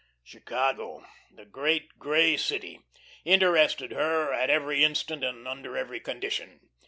Chicago, the great grey city, interested her at every instant and under every condition.